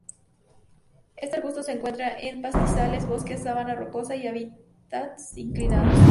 Este arbusto se encuentra en pastizales, bosques, sabana, rocosa y hábitats inclinados.